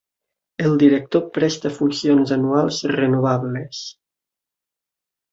El director presta funcions anuals renovables.